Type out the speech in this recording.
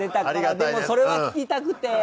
でもそれは聞きたくて。